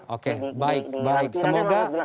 oke baik baik semoga